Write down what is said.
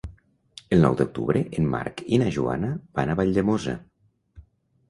El nou d'octubre en Marc i na Joana van a Valldemossa.